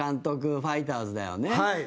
ファイターズだよね。